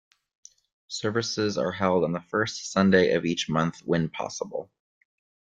Services are held on the first Sunday of each month when possible.